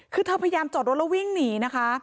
คือเธอพยายามจอดรถแล้ววิ่งหนีนะคะ